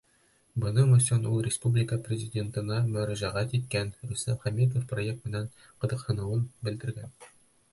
Бының өсөн ул республика Президентына мөрәжәғәт иткән, Рөстәм Хәмитов проект менән ҡыҙыҡһыныуын белдергән.